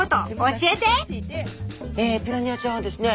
えピラニアちゃんはですね